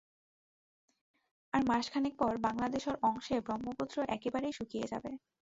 আর মাসখানেক পর বাংলাদেশর অংশে ব্রহ্মপুত্র একেবারেই শুকিয়ে যাবে।